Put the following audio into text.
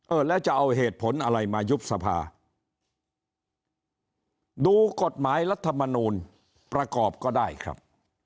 แล้วจะเอาเหตุผลอะไรมายุบสภาดูกฎหมายรัฐมนูลประกอบก็ได้ครับ